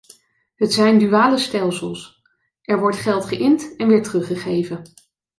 Het zijn duale stelsels: er wordt geld geïnd en weer teruggegeven.